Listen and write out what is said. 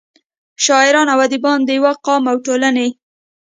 شاعران او اديبان دَيو قام او ټولنې